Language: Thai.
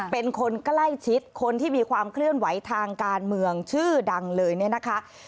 เป็นคนใกล้ชิดคนที่มีความเคลื่อนไหวทางการเมืองชื่อดังเลยเนี่ยนะคะ